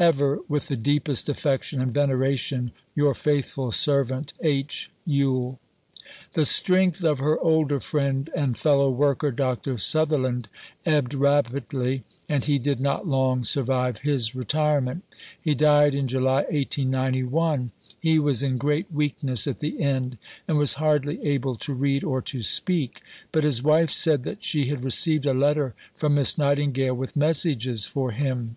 Ever, with the deepest affection and veneration, your faithful servant, H. Yule." The strength of her older friend and fellow worker, Dr. Sutherland, ebbed rapidly, and he did not long survive his retirement. He died in July 1891. He was in great weakness at the end, and was hardly able to read or to speak; but his wife said that she had received a letter from Miss Nightingale with messages for him.